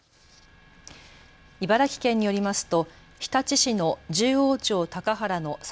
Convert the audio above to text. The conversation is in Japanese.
茨城県によりますと日立市の十王町高原の沢